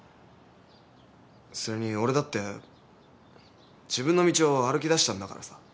それに俺だって自分の道を歩きだしたんだからさ。